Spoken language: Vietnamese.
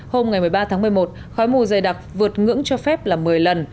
hôm ngày một mươi ba tháng một mươi một khói mù dày đặc vượt ngưỡng cho phép là một mươi lần